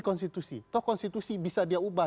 konstitusi toh konstitusi bisa dia ubah